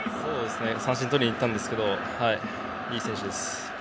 三振をとりにいったんですがいい選手です。